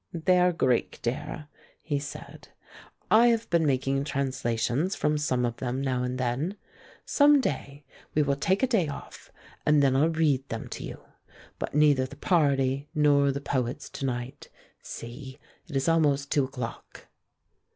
"They are Greek, dear," he said. "I have been making translations from some of them now and then. Some day we will take a day off and then I'll read them to you. But neither the party nor the poets to night. See, it is almost two o'clock."